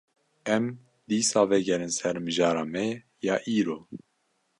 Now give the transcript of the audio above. Em, dîsa vegerin ser mijara me ya îro